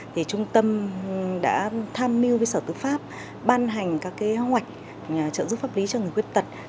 thì trung tâm đã tham mưu với sở tư pháp ban hành các kế hoạch trợ giúp pháp lý cho người khuyết tật